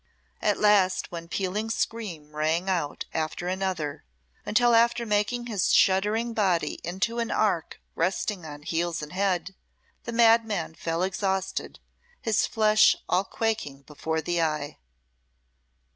At last one pealing scream rang out after another, until after making his shuddering body into an arc resting on heels and head, the madman fell exhausted, his flesh all quaking before the eye.